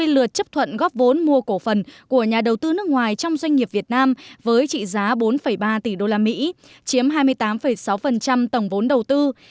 ba mươi lượt chấp thuận góp vốn mua cổ phần của nhà đầu tư nước ngoài trong doanh nghiệp việt nam với trị giá bốn ba tỷ usd chiếm hai mươi tám sáu tổng vốn đầu tư